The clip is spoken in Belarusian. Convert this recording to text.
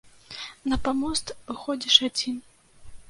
На памост выходзіш адзін.